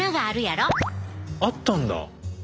あったんだ！